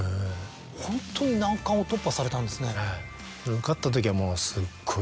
ホントに難関を突破されたんですね。